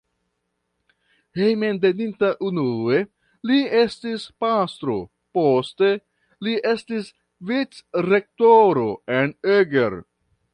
Hejmenveninta unue li estis pastro, poste li estis vicrektoro en Eger.